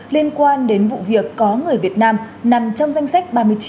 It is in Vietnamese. liên quan đến vụ việc có người việt nam nằm trong danh sách